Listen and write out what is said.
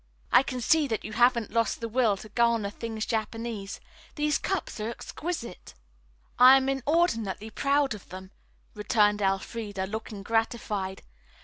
"I can see that you haven't lost the will to garner things Japanese. These cups are exquisite." "I am inordinately proud of them," returned Elfreda, looking gratified.